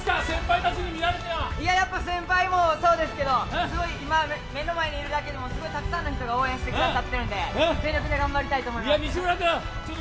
先輩もそうですけど、すごい今、目の前にいるだけでもたくさんの方が応援してくださってるんで全力で頑張りたいと思います。